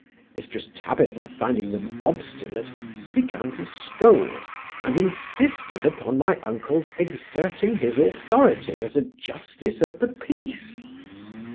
Mrs Tabitha finding them obstinate, began to scold, and insisted upon my uncle's exerting his authority as a justice of the peace.